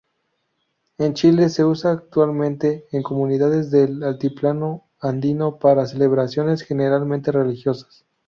En Chile se usa actualmente en comunidades del altiplano andino para celebraciones, generalmente religiosas.